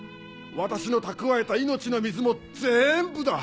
私の蓄えた生命の水もぜんぶだ！